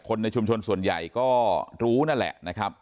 ในชุมชนส่วนใหญ่ก็รู้นั่นแหละนะครับ